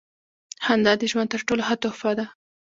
• خندا د ژوند تر ټولو ښه تحفه ده.